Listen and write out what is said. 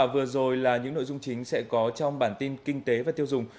vừa rồi là những nội dung chính sẽ có trong bản tin kinh tế và tiêu dùng